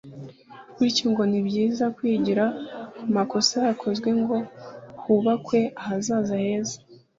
bityo ngo ni byiza kwigira ku makosa yakozwe ngo hubakwe ahazaza heza